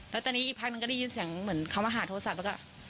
แล้วตอนนี้อีกพักหนึ่งก็ได้ยินเสียงเหมือนเขามาหาโทรศัพท์แล้วก็